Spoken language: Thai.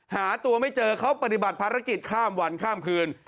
หาตัวไม่เจอเขาปฏิบัติภารกิจข้ามวันข้ามคืน